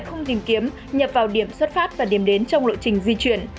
không tìm kiếm nhập vào điểm xuất phát và điểm đến trong lộ trình di chuyển